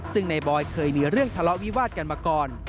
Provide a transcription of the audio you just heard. ซึ่งในบอยเคยมีเรื่องทะเลาะวิวาดกันมาก่อน